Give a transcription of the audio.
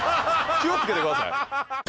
気をつけてください！